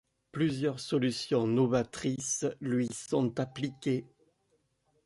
Plusieurs solutions novatrices lui sont appliquées.